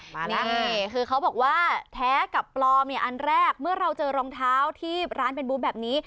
นี่คือเขาบอกว่าแท้กับปลอมเนี่ยอันแรกเมื่อเราเจอรองเท้าที่ร้านเป็นบู๊แบบนี้